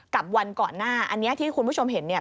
กับวันก่อนหน้าอันนี้ที่คุณผู้ชมเห็นเนี่ย